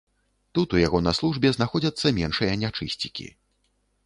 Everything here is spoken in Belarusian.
Тут у яго на службе знаходзяцца меншыя нячысцікі.